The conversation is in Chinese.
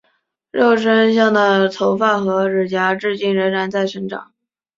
肉身像的头发和指甲至今仍在生长。